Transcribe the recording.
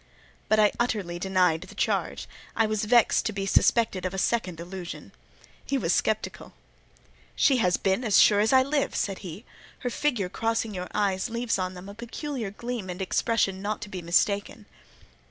But I utterly denied the charge: I was vexed to be suspected of a second illusion. He was sceptical. "She has been, as sure as I live," said he; "her figure crossing your eyes leaves on them a peculiar gleam and expression not to be mistaken."